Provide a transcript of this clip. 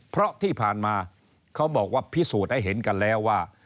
เพราะที่ผ่านมาเขาบอกว่าพิสูจน์ให้เห็นกันแล้วว่า